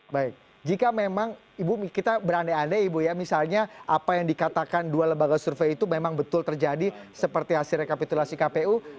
baik jika memang ibu kita berandai andai ibu ya misalnya apa yang dikatakan dua lembaga survei itu memang betul terjadi seperti hasil rekapitulasi kpu